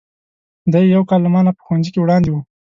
دی یو کال له ما نه په ښوونځي کې وړاندې و.